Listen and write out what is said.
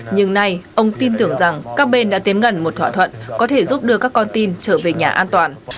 nhưng nay ông tin tưởng rằng các bên đã tiến gần một thỏa thuận có thể giúp đưa các con tin trở về nhà an toàn